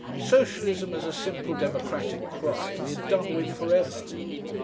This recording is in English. Socialism as a simple democratic cry we had done with for ever.